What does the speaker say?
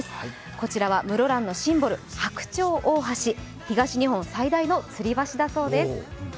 こちらは室蘭のシンボル、白鳥大橋東日本最大のつり橋だそうです。